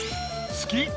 好き？